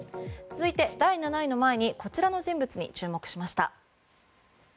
続いて、第７位の前にこちらの人物に注目しました。